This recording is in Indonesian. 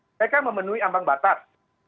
mereka memenuhi ambang batas